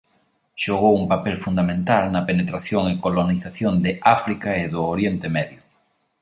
Xogou un papel fundamental na penetración e colonización de África e do Oriente Medio.